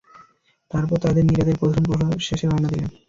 তারপর তাদের নিয়ে রাতের প্রথম প্রহরের শেষে রওনা দিলেন।